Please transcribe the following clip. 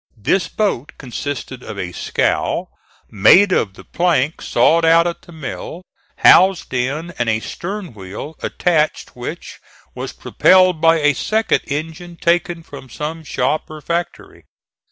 This boat consisted of a scow, made of the plank sawed out at the mill, housed in, and a stern wheel attached which was propelled by a second engine taken from some shop or factory.